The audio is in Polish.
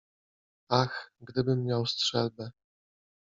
- Ach, gdybym miał strzelbę!